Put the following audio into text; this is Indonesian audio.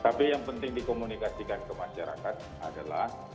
tapi yang penting dikomunikasikan ke masyarakat adalah